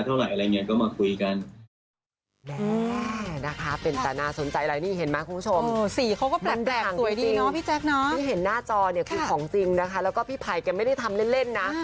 จริงนะคะแล้วก็พี่ไผ่ไม่ได้ทำเล่นนะ